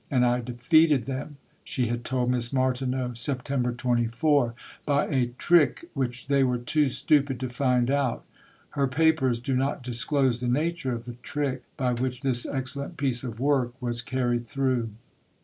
"And I defeated them," she had told Miss Martineau (Sept. 24), "by a trick which they were too stupid to find out." Her papers do not disclose the nature of the "trick" by which this excellent piece of work was carried through. See Vol.